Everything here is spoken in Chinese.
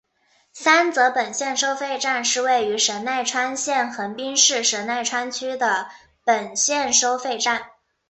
三泽本线收费站是位于神奈川县横滨市神奈川区的本线收费站。